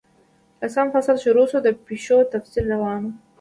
لسم فصل شروع شو، د پیښو تفصیل روان وو.